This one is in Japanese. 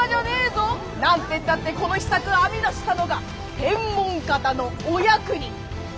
何てったってこの秘策編み出したのが天文方のお役人。